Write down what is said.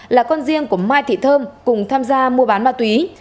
là con riêng của mai thị thơm cùng tham gia mua bán ma túy